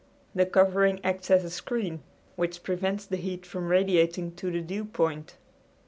The covering acts as a screen, which prevents the heat from radiating to the dew point.